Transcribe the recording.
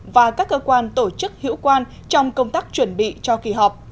và các cơ quan tổ chức hữu quan trong công tác chuẩn bị cho kỳ họp